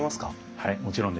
はいもちろんです。